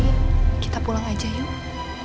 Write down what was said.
oke kita pulang aja yuk